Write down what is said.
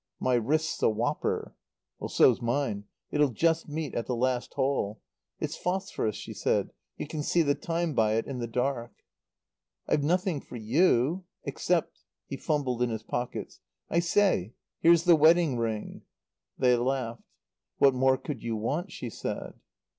"My wrist's a whopper." "So's mine. It'll just meet at the last hole. It's phosphorous," she said. "You can see the time by it in the dark." "I've nothing for you. Except " he fumbled in his pockets "I say here's the wedding ring." They laughed. "What more could you want?" she said.